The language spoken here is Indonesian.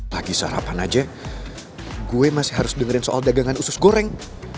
lagi sarapan aja gue masih harus dengerin soal dagangan usus goreng